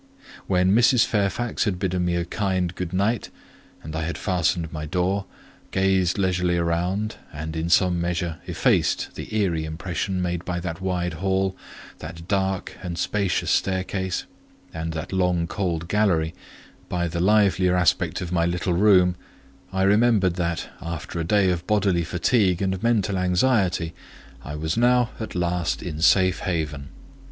When Mrs. Fairfax had bidden me a kind good night, and I had fastened my door, gazed leisurely round, and in some measure effaced the eerie impression made by that wide hall, that dark and spacious staircase, and that long, cold gallery, by the livelier aspect of my little room, I remembered that, after a day of bodily fatigue and mental anxiety, I was now at last in safe haven.